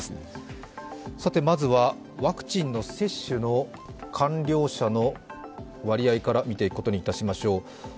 まずはワクチンの接種の完了者の割合から見ていくことにいたしましょう。